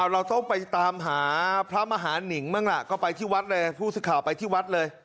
เราต้องไปตามหาพระมหาหนิงบ้างล่ะก็ไปที่วัดเลยผู้สื่อข่าวไปที่วัดเลย